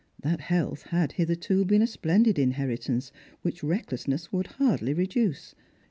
That health had hitherto been a splendid inheritance which recklessness could hardly reduce.